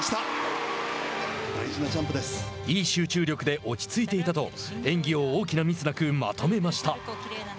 いい集中力で落ち着いていたと演技を大きなミスなくまとめました。